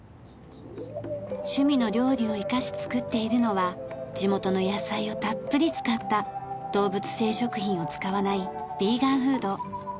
趣味の料理を生かし作っているのは地元の野菜をたっぷり使った動物性食品を使わないビーガンフード。